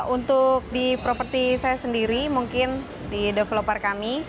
untuk di properti saya sendiri mungkin di developer kami